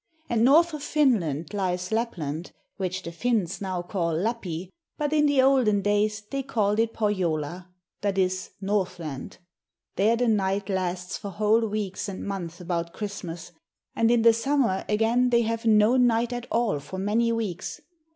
And north of Finland lies Lapland, which the Finns now call Lappi, but in the olden days they called it Pohjola (that is, Northland). There the night lasts for whole weeks and months about Christmas, and in the summer again they have no night at all for many weeks.